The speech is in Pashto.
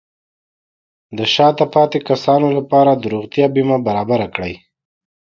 د شاته پاتې کسانو لپاره د روغتیا بیمه برابر کړئ.